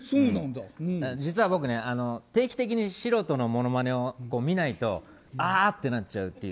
実は僕ね、定期的に素人のモノマネを見ないとああってなっちゃうっていう。